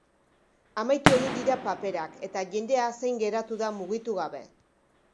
Amaitu egin dira paperak eta jendea zain geratu da, mugitu gabe.